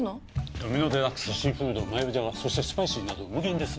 ドミノデラックスシーフードマヨじゃがそしてスパイシーなど無限です。